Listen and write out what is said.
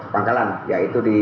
pangkalan yaitu di kpu